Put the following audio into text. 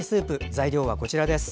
材料はこちらです。